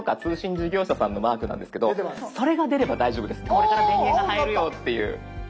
これから電源が入るよっていう。